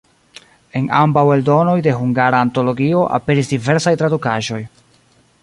En ambaŭ eldonoj de Hungara Antologio aperis diversaj tradukaĵoj.